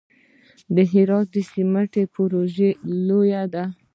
د هرات سمنټو پروژه لویه ده